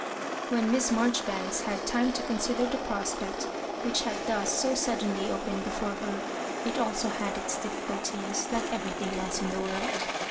When Miss Maijoril&anks had time to consider (she prospect which had thus so suddenlj opened before her, it also had its difficuHies, like everything else in the world.